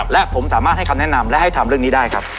และผมสามารถให้คำแนะนำและให้ทำเรื่องนี้ได้ครับ